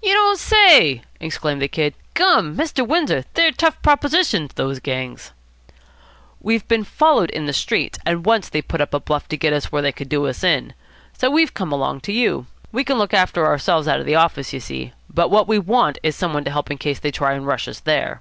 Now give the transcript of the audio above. "You don't say!" exclaimed the Kid. "Gum! Mr. Windsor, they're tough propositions, those gangs." "We've been followed in the streets, and once they put up a bluff to get us where they could do us in. So we've come along to you. We can look after ourselves out of the office, you see, but what we want is some one to help in case they try to rush us there."